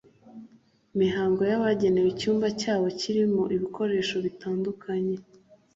mihango, bagenerwa icyumba cyabo kirimo ibikoresho bitandukana